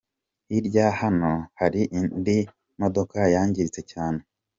Hirya yaho hari indi modoka yangiritse cyane.